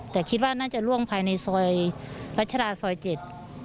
แต่คิดว่าน่าจะล่วงภายในซอยรัชดาซอยเจ็ด